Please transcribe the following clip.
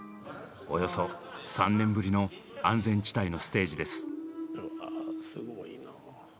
およそ３年ぶりの安全地帯のステージです。